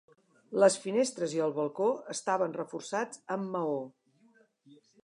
Les finestres i el balcó estaven reforçats amb maó.